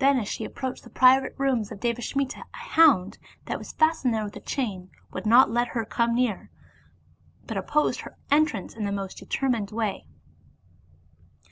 Then, as she ap proached the private rooms of Devasmita,a hound, thatwas fastened there with a chain, would not let her come near, but opposed her entrance in the most determined way.